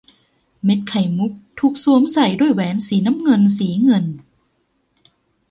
เม็ดไข่มุกถูกสวมใส่ด้วยแหวนสีน้ำเงินสีเงิน